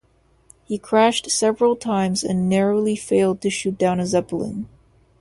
He crashed several times and narrowly failed to shoot down a Zeppelin.